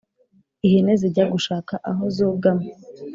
ihene zijya gushaka aho zugama